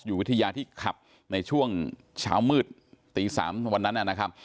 อยู่วิทยาที่ขับในช่วงเช้ามืดตี๓วันนั้น